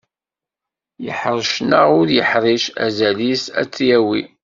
Yeḥrec neɣ ur yeḥric, azal-is ad t-yawi.